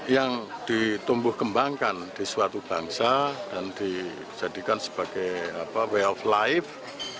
yang ditumbuh kembangkan di suatu bangsa dan dijadikan sebagai way of life